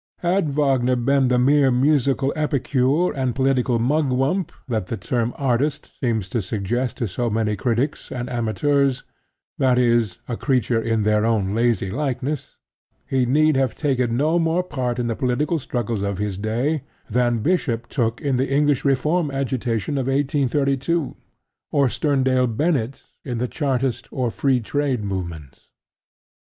Had Wagner been the mere musical epicure and political mugwump that the term "artist" seems to suggest to so many critics and amateurs that is, a creature in their own lazy likeness he need have taken no more part in the political struggles of his day than Bishop took in the English Reform agitation of 1832, or Sterndale Bennett in the Chartist or Free Trade movements.